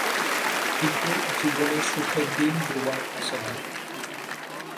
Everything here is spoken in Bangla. কিন্তু জীবনে সুখের দিন দুবার আসে না।